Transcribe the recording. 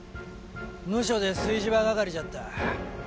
ムショで炊事場係じゃった。